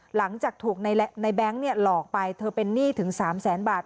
หลังจากถูกในแบงค์หลอกไปเธอเป็นหนี้ถึง๓แสนบาท